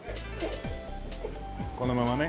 このままね。